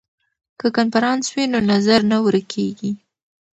که کنفرانس وي نو نظر نه ورک کیږي.